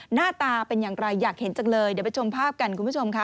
หน้าตาเป็นอย่างไรอยากเห็นจังเลยเดี๋ยวไปชมภาพกันคุณผู้ชมค่ะ